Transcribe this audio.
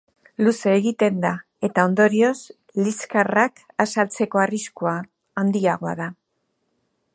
Luze egiten da, eta ondorioz, liskarrak azaltzeko arriskua handiagoa da.